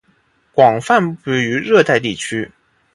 广泛布于热带地区。